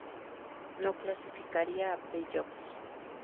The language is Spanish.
No clasificaría a playoffs.